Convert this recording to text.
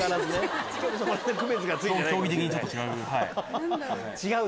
競技的にちょっと違う。